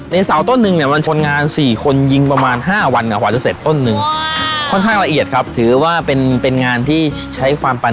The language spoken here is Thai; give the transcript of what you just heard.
ในเสาร์ต้นหนึ่งเนี่ยมันคนงาน๔คน